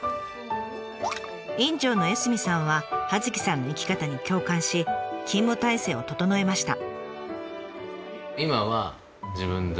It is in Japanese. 院長の江角さんは葉月さんの生き方に共感し勤務体制を整えました。